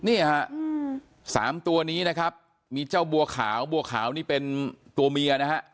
นี่ฮะสามตัวนี้นะครับมีเจ้าบัวขาวบัวขาวนี่เป็นตัวเมียนะฮะ